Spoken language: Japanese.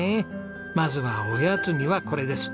まずはおやつにはこれです。